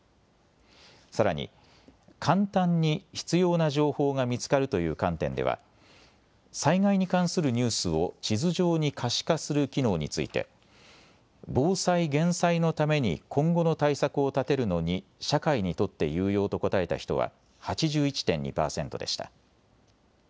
さらに、簡単に必要な情報が見つかるという観点では災害に関するニュースを地図上に可視化する機能について防災・減災のために今後の対策を立てるのに社会にとって有用と答えた人は８１．２％でした。